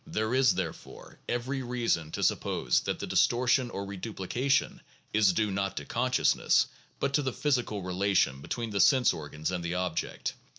There is, therefore, every reason to suppose that the distortion or reduplication is due not to consciousness, but to the physical relation between the sense organs and the object.